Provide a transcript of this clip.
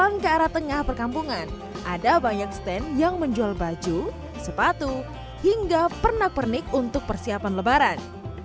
yang ke arah tengah perkampungan ada banyak stand yang menjual baju sepatu hingga pernak pernik untuk persiapan lebaran